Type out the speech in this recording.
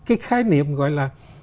cái khái niệm gọi là